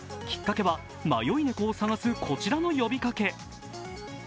きっかけは迷い猫を捜すこちらの呼びかけ。